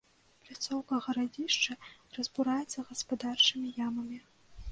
Пляцоўка гарадзішча разбураецца гаспадарчымі ямамі.